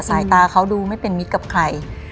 สายตาเขาดูไม่เป็นมิตรกับใคร